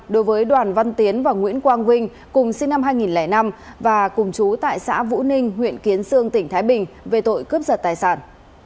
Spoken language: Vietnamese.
đối với đoàn văn tiến và nguyễn quang vinh cùng sinh năm hai nghìn năm và cùng chú tại xã vũ ninh huyện kiến sương tỉnh thái bình về tội cướp giật tài sản